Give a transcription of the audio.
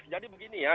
jadi begini ya